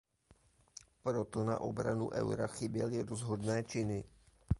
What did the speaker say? Proto na obranu eura chyběly rozhodné činy.